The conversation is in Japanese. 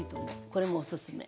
これもおすすめ。